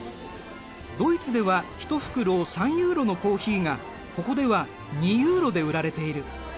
ドイツでは一袋３ユーロのコーヒーがここでは２ユーロで売られている。